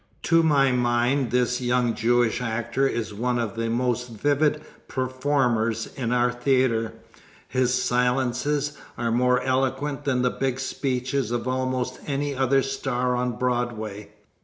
To my mind this young Jewish actor is one of the most vivid performers in our theater. His silences are more eloquent than the big speeches of almost any other star on Broadway.